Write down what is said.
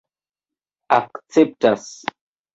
akceptas